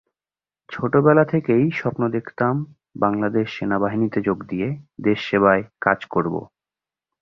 ছোটবেলা থেকেই স্বপ্ন দেখতাম বাংলাদেশ সেনাবাহিনীতে যোগ দিয়ে দেশের সেবায় কাজ করব।